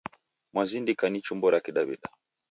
Mwazindika ni chumbo ra kidawida